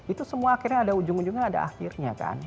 itu semua akhirnya ada ujung ujungnya ada akhirnya kan